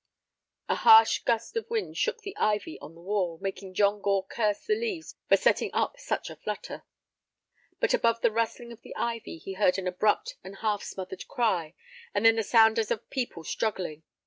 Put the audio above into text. A harsh gust of wind shook the ivy on the wall, making John Gore curse the leaves for setting up such a flutter. But above the rustling of the ivy he heard an abrupt and half smothered cry, and then the sound as of people struggling.